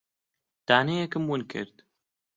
دانەیەکم ون کرد.